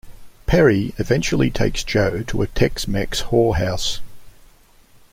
Perry eventually takes Joe to a Tex-Mex whorehouse.